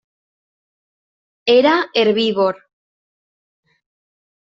Era herbívor.